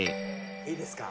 いいですか？